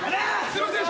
すいません。